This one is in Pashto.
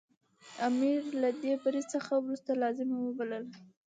امیر له دې بري څخه وروسته لازمه وبلله.